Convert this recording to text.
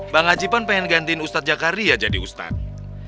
bang ajipan pengen gantiin ustadz jakari ya jadi ustadz